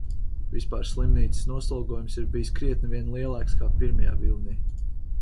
Vispār slimnīcas noslogojums ir bijis krietni vien lielāks kā pirmajā vilnī.